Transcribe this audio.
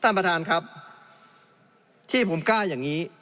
ท่านประธานครับที่ผมกล้าอย่างนี้